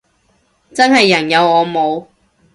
真係人有我冇